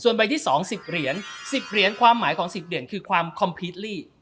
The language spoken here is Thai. ส่วนใบที่สองสิบเหรียญสิบเหรียญความหมายของสิบเหรียญคือความคอมพลีทลี่